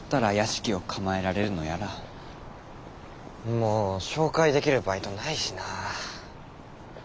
もう紹介できるバイトないしなぁ。